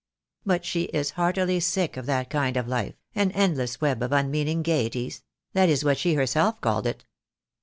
But she is heartily sick of that kind of life, an endless web of unmeaning gaieties — that is what she herself called it.